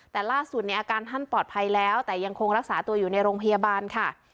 แต่ล่าสุดเนี่ยอาการท่านปลอดภัยแล้วแต่ยังคงรักษาตัวอยู่ในโรงพยาบาลค่ะ